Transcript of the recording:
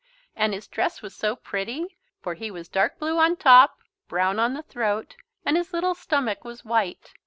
And his dress was so pretty, for he was dark blue on top, brown on the throat, and his little stomach was white.